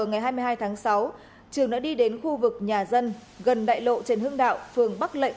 ngày hai mươi hai tháng sáu trường đã đi đến khu vực nhà dân gần đại lộ trần hưng đạo phường bắc lệnh